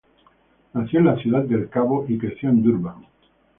Nació en Ciudad del Cabo y creció en Durban.